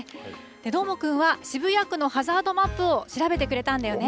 どーもくんは渋谷区のハザードマップを調べてくれたんだよね。